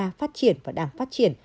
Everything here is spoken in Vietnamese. đang phát triển và đang phát triển